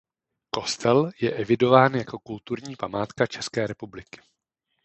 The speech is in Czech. Kostel je evidován jako kulturní památka České republiky.